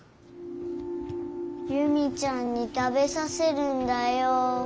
夕実ちゃんに食べさせるんだよ。